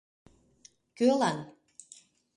— Кӧлан?